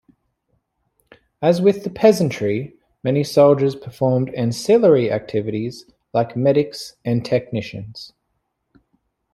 As with the peasantry, many soldiers performed ancillary activities, like medics and technicians.